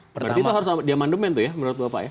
berarti itu harus diamandemen tuh ya menurut bapak ya